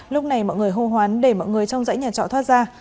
lúc này mọi người hô hoán để mọi người trong dãy nhà trọ thoát ra